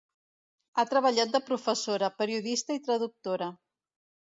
Ha treballat de professora, periodista i traductora.